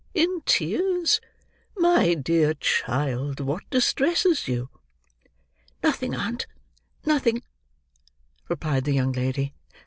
In tears! My dear child, what distresses you?" "Nothing, aunt; nothing," replied the young lady.